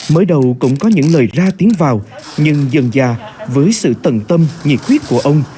mới đầu cũng có những lời ra tiếng vào nhưng dần già với sự tận tâm nhiệt huyết của ông